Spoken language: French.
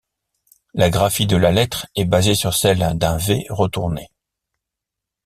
La graphie de la lettre est basée sur celle d’un V retourné.